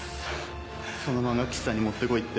そのマンガ喫茶に持ってこいって。